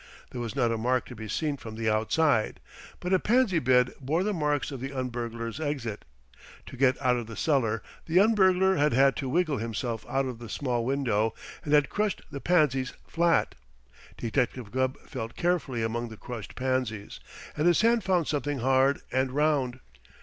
There was not a mark to be seen from the outside, but a pansy bed bore the marks of the un burglar's exit. To get out of the cellar, the un burglar had had to wiggle himself out of the small window, and had crushed the pansies flat. Detective Gubb felt carefully among the crushed pansies, and his hand found something hard and round.